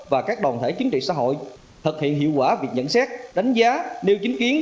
và các đoàn thể chính trị xã hội thực hiện hiệu quả việc nhận xét đánh giá nêu chính kiến